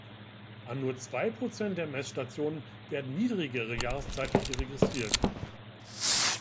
An nur zwei Prozent der Messstationen werden niedrigere jahreszeitliche registriert.